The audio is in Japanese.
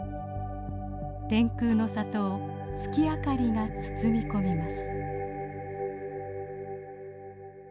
天空の里を月明かりが包み込みます。